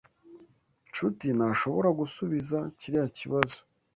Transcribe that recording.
Nshuti ntashobora gusubiza kiriya kibazo.